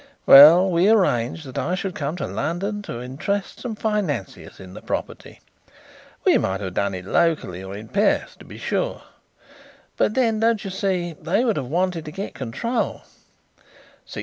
Well, we arranged that I should come to London to interest some financiers in the property. We might have done it locally or in Perth, to be sure, but then, don't you see, they would have wanted to get control.